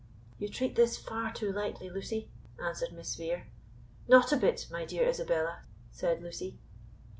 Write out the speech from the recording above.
"You treat this far too lightly, Lucy," answered Miss Vere. "Not a bit, my dear Isabella," said Lucy.